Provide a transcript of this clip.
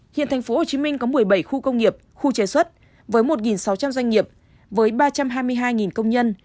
hiện tp hcm có một mươi bảy khu công nghiệp khu chế xuất với một sáu trăm linh doanh nghiệp với ba trăm hai mươi hai công nhân